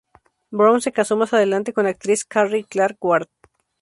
Brown se casó más adelante con la actriz Carrie Clark Ward.